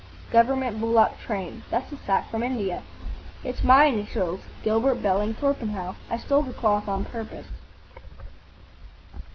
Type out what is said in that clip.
G.B.T. Government Bullock Train. That's a sack from India." "It's my initials,—Gilbert Belling Torpenhow. I stole the cloth on purpose.